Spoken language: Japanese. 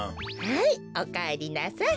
はいおかえりなさい。